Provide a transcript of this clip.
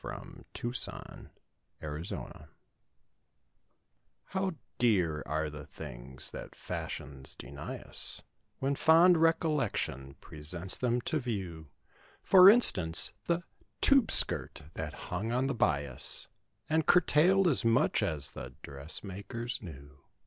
29 THE TUBE SKIRT'S PASSING How dear are the things that the fashions deny us, When fond recollection presents them to view— For instance: The "tube skirt" that hung on the bias And curtailed as much as the dressmakers knew.